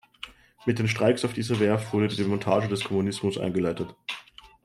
Mit den Streiks auf dieser Werft wurde die Demontage des Kommunismus eingeleitet.